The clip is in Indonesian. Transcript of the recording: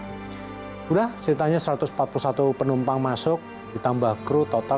sudah ceritanya satu ratus empat puluh satu penumpang masuk ditambah crew total satu ratus empat puluh delapan